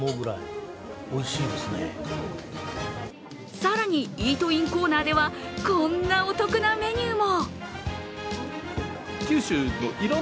更に、イートインコーナーではこんなお得なメニューも。